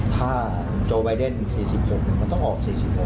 ถ้าโจไบเดนอีก๔๖มันต้องออก๔๖